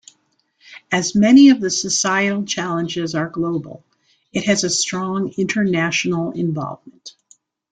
As many of the societal challenges are global it has a strong international involvement.